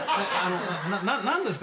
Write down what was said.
何ですか？